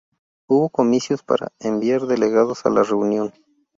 Hubo comicios para enviar delegados a la reunión.